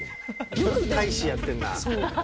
よく大使やってんな。